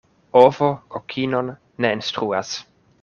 Ovo kokinon ne instruas.